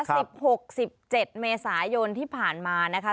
สิบหกสิบเจ็ดเมษายนที่ผ่านมานะคะ